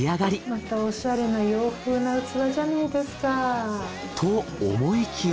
またおしゃれな洋風な器じゃないですか。と思いきや